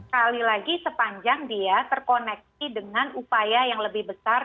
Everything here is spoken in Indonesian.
kali lagi sepanjang dia terkoneksi dengan upaya yang lebih besar